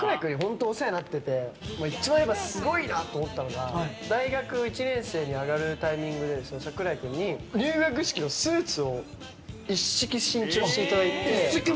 一番すごいなと思ったのが大学１年生に上がるタイミングで櫻井君に、入学式のスーツを一式新調していただいて。